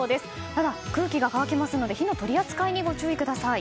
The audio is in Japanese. ただ空気が乾きますので火の取り扱いにご注意ください。